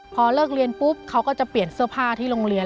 พอเลิกเรียนปุ๊บเขาก็จะเปลี่ยนเสื้อผ้าที่โรงเรียน